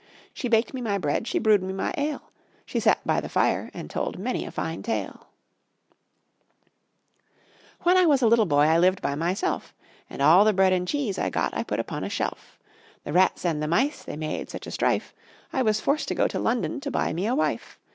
She baked me my bread, she brewed me my ale, She sat by the fire and told many a fine tale. When I was a little boy I lived by myself, And all the bread and cheese I got I put upon a shelf; The rats and the mice, they made such a strife, I was forced to go to London to buy me a wife.